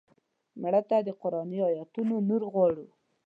مړه ته د قرآني آیتونو نور غواړو